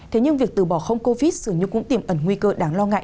thế nhưng việc từ bỏ không covid dường như cũng tiềm ẩn nguy cơ đáng lo ngại